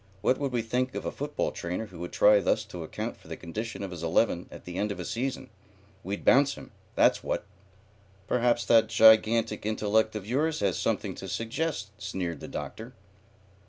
What would we think of a football trainer who would try thus to account for the condition of his eleven at the end of a season? We'd bounce him, that's what." "Perhaps that gigantic intellect of yours has something to suggest," sneered the Doctor.